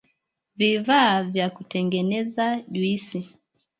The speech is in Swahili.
vifaa vya kutengeneza juisi